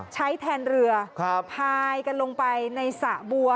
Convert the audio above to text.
ใช้แทนเรือพายกันลงไปในสระบัว